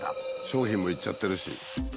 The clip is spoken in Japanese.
商品も行っちゃってるし。